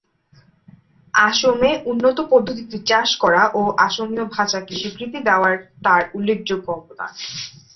অসমে উন্নত পদ্ধতিতে চাষ করা ও অসমীয়া ভাষাকে স্বীকৃতি দেওয়া তাঁর উল্লেখযোগ্য অবদান।